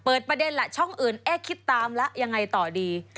เปิดประเด็นละช่องอื่นแอ้คิดตามละยังไงต่อดี